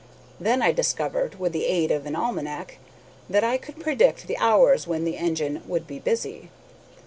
Then I discovered, with the aid of an almanac, that I could predict the hours when the engine would be busy.